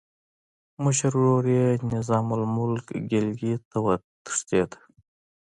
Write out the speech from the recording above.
مشر ورور یې نظام الملک ګیلګیت ته وتښتېد.